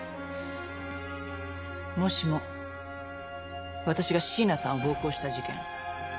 もしも私が椎名さんを暴行した事件。